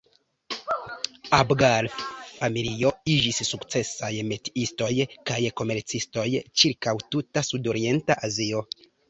La Abgar-familio iĝis sukcesaj metiistoj kaj komercistoj ĉirkaŭ tuta sudorienta Azio.